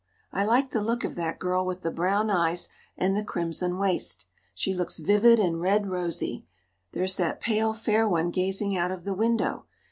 I like the look of that girl with the brown eyes and the crimson waist. She looks vivid and red rosy; there's that pale, fair one gazing out of the window.